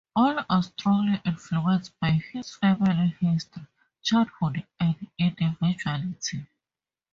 All are strongly influenced by his family history, childhood, and individuality.